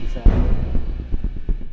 jauh biar bisa paham